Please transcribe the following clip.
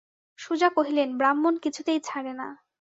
সুজা কহিলেন, ব্রাহ্মণ কিছুতেই ছাড়ে না।